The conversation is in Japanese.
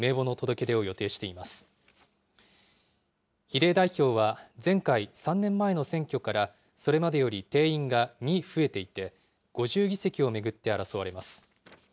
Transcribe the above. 比例代表は前回・３年前の選挙から、それまでより定員が２増えていて、５０議席を巡って争われます。